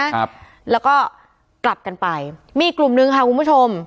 ครับแล้วก็กลับกันไปมีอีกกลุ่มนึงค่ะคุณผู้ชม